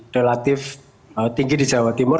relatif tinggi di jawa timur